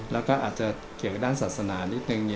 แล้วก็อาจจะเกี่ยวกับด้านศาสนานิดนึง